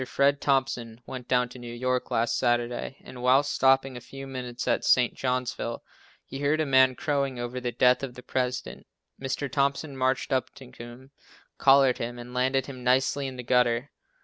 Fred Thompson went down to New York last Saturday and while stopping a few minutes at St. Johnsville, he heard a man crowing over the death of the President. Mr. Thompson marched up to him, collared him and landed him nicely in the gutter.